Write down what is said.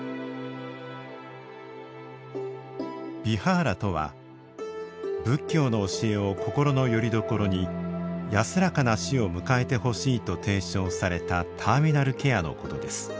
ビハーラとは仏教の教えを心のよりどころに安らかな死を迎えてほしいと提唱されたターミナルケアのことです。